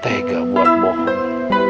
tidak tega buat bohong